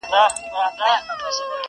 ما چي ټانګونه په سوکونو وهل؛